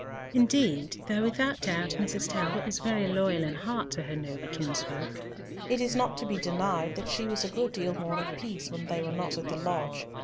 Indeed, though without doubt Mrs. Talbot was very loyal in heart to her noble kinsfolk, it is not to be denied that she was a good deal more at peace when they were not at the lodge.